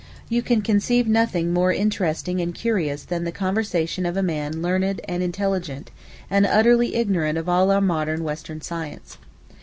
You can conceive nothing more interesting and curious than the conversation of a man learned and intelligent, and utterly ignorant of all our modern Western science.